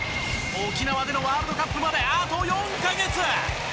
沖縄でのワールドカップまであと４カ月！